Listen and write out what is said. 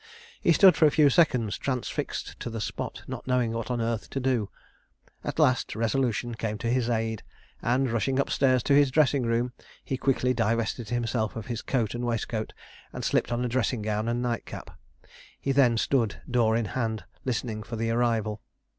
He stood for a few seconds transfixed to the spot, not knowing what on earth to do. At last resolution came to his aid, and, rushing upstairs to his dressing room, he quickly divested himself of his coat and waistcoat, and slipped on a dressing gown and night cap. He then stood, door in hand, listening for the arrival.